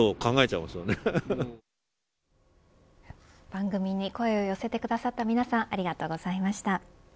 番組に声を寄せてくださった皆さんありがとうございました。